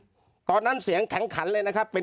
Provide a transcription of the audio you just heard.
เจ้าหน้าที่แรงงานของไต้หวันบอก